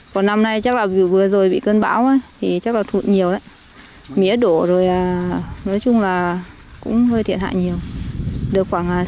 còn năm nay chắc là vì vừa rồi bị cơn bão thì chắc là thụt nhiều mía đổ rồi nói chung là cũng hơi thiện hại nhiều được khoảng sáu mươi bảy mươi tấn thôi